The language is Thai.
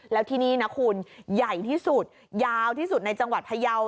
แล้วที่นี่นะคุณใหญ่ที่สุดยาวที่สุดในจังหวัดพยาว